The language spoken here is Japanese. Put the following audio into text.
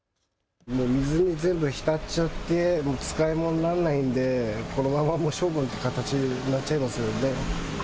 水に全部浸っちゃって使い物にならないのでこのまま処分という形になっちゃいます。